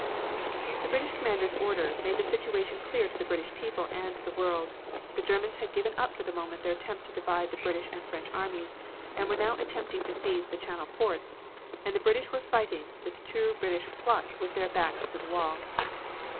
The British commander's order made the situation clear to the British people and to the world. The Germans had given up for the moment their attempt to divide the British and French armies, and were now attempting to seize the Channel ports, and the British were fighting with true British pluck with their "backs to the wall."